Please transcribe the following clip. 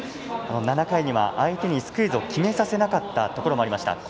７回には相手にスクイズを決めさせなかったところもありました。